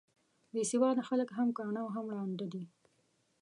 بې سواده خلک هم کاڼه او هم ړانده دي.